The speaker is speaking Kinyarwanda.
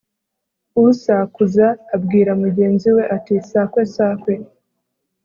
Usakuza abwira mugenzi we ati “sakwe sakwe”!